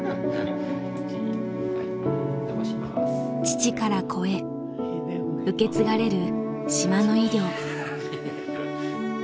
父から子へ受け継がれる島の医療。